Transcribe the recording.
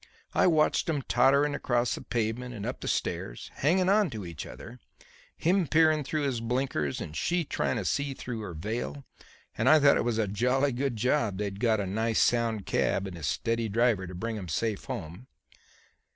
I watched 'em tottering across the pavement and up the stairs, hanging on to each other, him peering through his blinkers and she trying to see through her veil, and I thought it was a jolly good job they'd got a nice sound cab and a steady driver to bring 'em safe home."